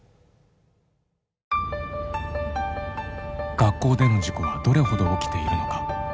学校での事故はどれほど起きているのか。